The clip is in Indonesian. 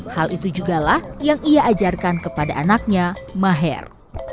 hal itu jugalah yang ia ajarkan kepada anaknya maher